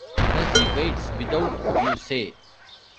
Gussie waits without, you say?